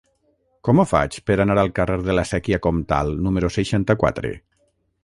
Com ho faig per anar al carrer de la Sèquia Comtal número seixanta-quatre?